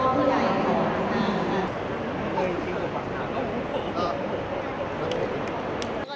สวัสดีทุกคน